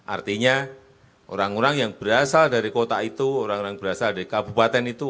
artinya orang orang yang berasal dari kota itu orang orang berasal dari kabupaten itu